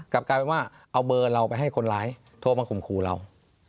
กลับกลายเป็นว่าเอาเบอร์เราไปให้คนร้ายโทรมาข่มขู่เรา